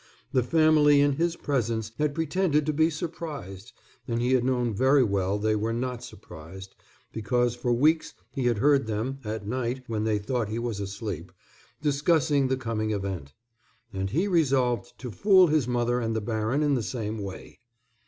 The family in his presence had pretended to be surprised, and he had known very well they were not surprised, because for weeks he had heard them, at night when they thought he was asleep, discussing the coming event. And he resolved to fool his mother and the baron in the same way.